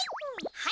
はい。